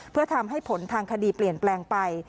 เพื่อทำให้ผลทางคดีเปลี่ยนแปลงไป